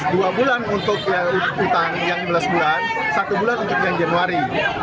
dua bulan untuk utang yang belas bulan satu bulan untuk yang januari